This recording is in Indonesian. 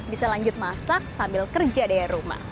bisa lanjut masak sambil kerja dari rumah